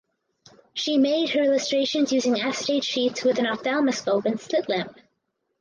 She made her illustrations using acetate sheets with an ophthalmoscope and slit lamp.